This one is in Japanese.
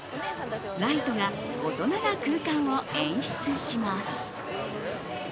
ライトが大人な空間を演出します。